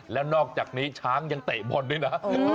แล้วนอกจากนี้ช้างยังเตะบอลด้วยนะ